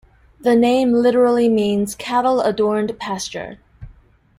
The name literally means cattle-adorned pasture.